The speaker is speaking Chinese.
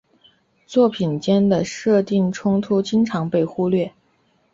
作品间的设定冲突经常被忽略。